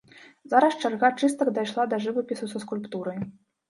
Зараз чарга чыстак дайшла да жывапісу са скульптурай.